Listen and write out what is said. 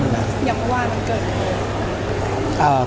อย่างเมื่อวานไม่เจอกันฤทธิ์